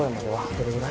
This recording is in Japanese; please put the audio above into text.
どれぐらい？